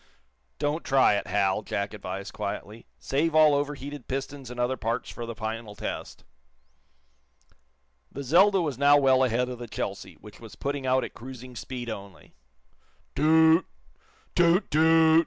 "Don't try it, Hal," Jack advised, quietly. "Save all overheated pistons and other parts for the final test." The "Zelda" was now well ahead of the "Chelsea," which was putting out at cruising speed only. Too oot! toot!